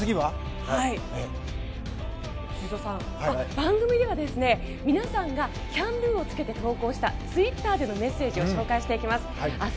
番組では皆さんが「＃ＣＡＮＤＯ」をつけて投稿したツイッターでのメッセージを紹介していきます。